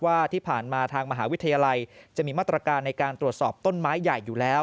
ว่าที่ผ่านมาทางมหาวิทยาลัยจะมีมาตรการในการตรวจสอบต้นไม้ใหญ่อยู่แล้ว